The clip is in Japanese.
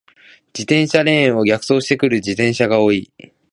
自転車レーンを逆走してくる自転車が多い。